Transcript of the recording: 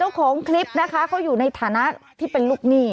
ของคลิปนะคะเขาอยู่ในฐานะที่เป็นลูกหนี้